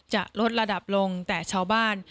เหลอะส์ระดับลงแต่ชาวบ้าน